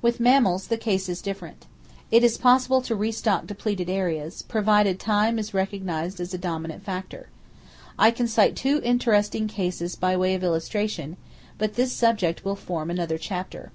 With mammals, the case is different. It is possible to restock depleted areas, provided Time is recognized as a dominant factor. I can cite two interesting cases by way of illustration, but this subject will form another chapter.